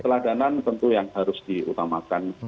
teladanan tentu yang harus diutamakan